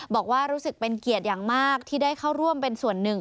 บอกว่ารู้สึกเป็นเกียรติอย่างมากที่ได้เข้าร่วมเป็นส่วนหนึ่ง